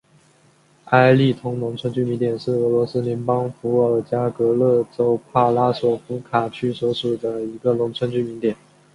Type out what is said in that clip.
埃利通农村居民点是俄罗斯联邦伏尔加格勒州帕拉索夫卡区所属的一个农村居民点。